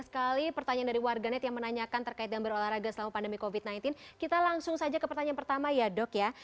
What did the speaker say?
kita langsung saja ke pertanyaan pertama ya dok ya